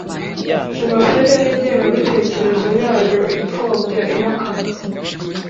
jenoside n ingengabitekerezo yayo ipfobya ihakana